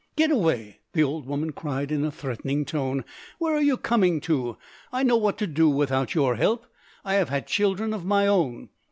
"Get away!" the old woman cried in a threatening tone, "where are you coming to? I know what to do without your help. I have had children of my own."